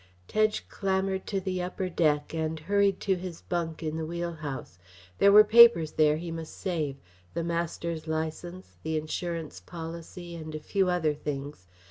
Tedge clambered to the upper deck and hurried to his bunk in the wheelhouse. There were papers there he must save the master's license, the insurance policy, and a few other things.